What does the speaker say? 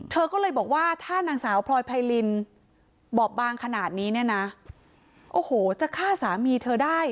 เธอก็เลยบอกว่าถ้านางสาวพลอยไพรินบอบบางขนาดนี้เนี่ยนะโอ้โหจะฆ่าสามีเธอได้